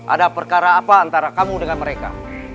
ada perkara apa antara kamu dengan mereka